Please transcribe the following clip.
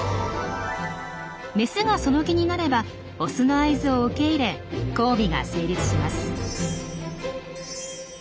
メスがその気になればオスの合図を受け入れ交尾が成立します。